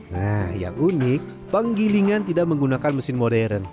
nah yang unik penggilingan tidak menggunakan mesin modern